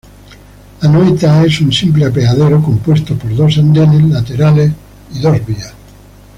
Anoeta es un simple apeadero compuesto por dos andenes laterales y dos vías.